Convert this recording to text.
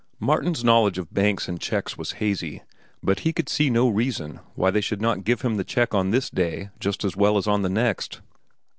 Martin's knowledge of banks and checks was hazy, but he could see no reason why they should not give him the check on this day just as well as on the next.